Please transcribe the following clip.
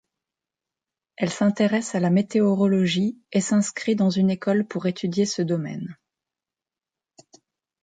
Elle s'intéresse à la météorologie et s'inscrit dans une école pour étudier ce domaine.